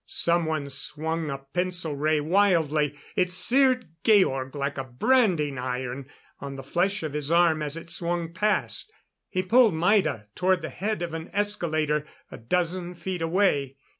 Someone swung a pencil ray wildly. It seared Georg like a branding iron on the flesh of his arm as it swung past. He pulled Maida toward the head of an escalator a dozen feet away.